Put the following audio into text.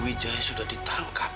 wijaya sudah ditangkap